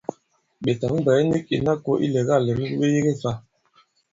Ɓè tǎŋ-bwɛ̀ɛ nik ìna kō ilɛ̀gâ lɛ̌n wu ɓe yege fâ?